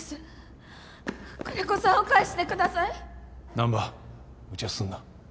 南波むちゃすんな。